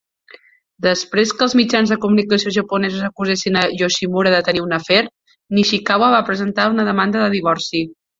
Després que els mitjans de comunicació japonesos acusessin a Yoshimura de tenir un afer, Nishikawa va presentar una demanda de divorci.